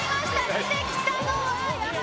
出てきたのは。